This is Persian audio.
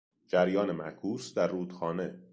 جریان معکوس در رودخانه